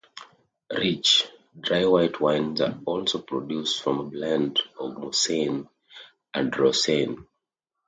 Rich, dry white wines are also produced from a blend of Marsanne and Roussanne.